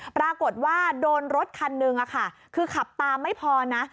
ปรากฏว่าโดนรถคันหนึ่งคือขับตามไม่พอนะ